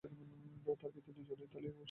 তার পিতামাতা দুজনেই ইতালীয় অভিবাসী ছিলেন।